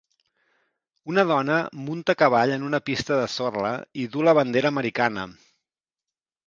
Una dona munta a cavall en una pista de sorra i duu la bandera americana